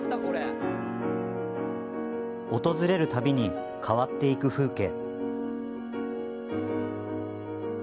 訪れる度に変わっていく風景。